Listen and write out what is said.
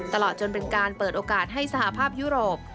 ตลอดจนเป็นการเปิดโอกาสให้สหภาพยุโรป